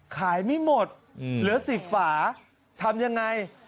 ไม่หมดเหลือ๑๐ฝาทำยังไง